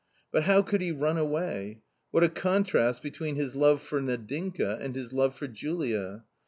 But how could he run away ? What a contrast between his love for Nadinka and his love for Julia.